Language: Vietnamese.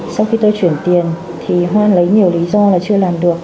sau khi tôi chuyển tiền thì hoan lấy nhiều lý do là chưa làm được